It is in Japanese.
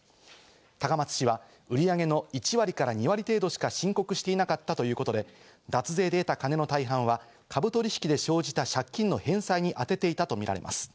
高松氏は売り上げの１割から２割程度しか申告していなかったということで、脱税で得た金の大半は株取引で生じた借金の返済に充てていたとみられます。